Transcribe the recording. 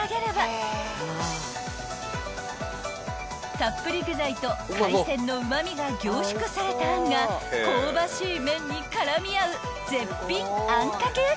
［たっぷり具材と海鮮のうま味が凝縮されたあんが香ばしい麺に絡み合う］